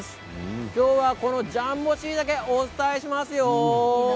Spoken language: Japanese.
今日はジャンボしいたけをお伝えしますよ。